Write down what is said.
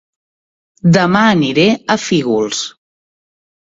Dema aniré a Fígols